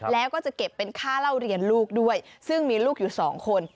แล้วก็จะเก็บเป็นค่าเล่าเรียนลูกด้วยซึ่งมีลูกอยู่สองคน